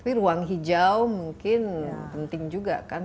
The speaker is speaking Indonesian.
tapi ruang hijau mungkin penting juga kan